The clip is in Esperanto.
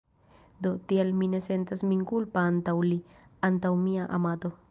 Do, tial mi ne sentas min kulpa antaŭ li, antaŭ mia amato.